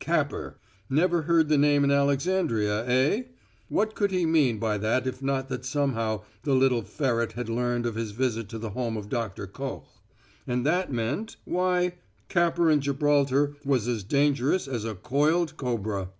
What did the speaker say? "Capper never heard the name in Alexandria, eh?" What could he mean by that if not that somehow the little ferret had learned of his visit to the home of Doctor Koch? And that meant why, Capper in Gibraltar was as dangerous as a coiled cobra!